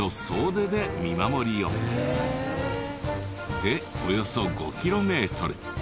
でおよそ５キロメートル。